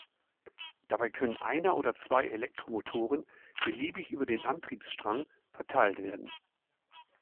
Dabei können einer oder zwei Elektromotoren beliebig über den Antriebsstrang verteilt werden.